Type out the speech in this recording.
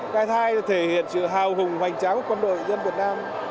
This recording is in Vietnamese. cái thai thể hiện sự hào hùng hoành tráng của quân đội dân việt nam